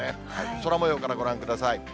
空もようからご覧ください。